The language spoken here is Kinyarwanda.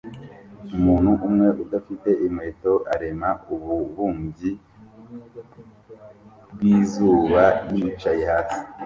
Umuntu umwe udafite inkweto arema ububumbyi bwizuba yicaye hasi